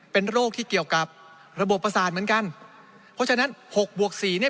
เป็นโรคที่เกี่ยวกับระบบประสาทเหมือนกันเพราะฉะนั้นหกบวกสี่เนี้ย